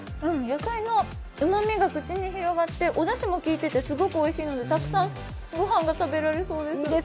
野菜のうまみが口に広がっておだしもきいてて、すごくおいしいのでたくさんご飯が食べられそうです。